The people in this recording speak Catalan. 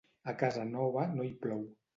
A casa nova no hi plou.